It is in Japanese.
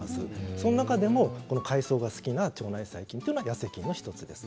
その中でも海藻が好きな腸内細菌も痩せ菌の１つです。